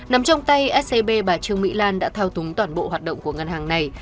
nằm trong tay scb bà trương mỹ lan đã thao túng toàn bộ hoạt động của ngân hàng này